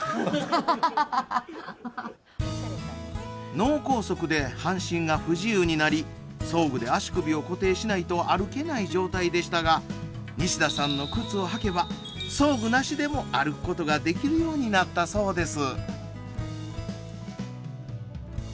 脳梗塞で半身が不自由になり装具で足首を固定しないと歩けない状態でしたが西田さんの靴を履けば装具なしでも歩くことができるようになったそうです。